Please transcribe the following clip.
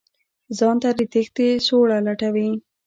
ځان ته د تېښتې سوړه لټوي.